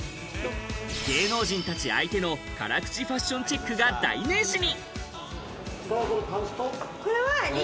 芸能人たち相手の辛口ファッションチェックが代名詞に。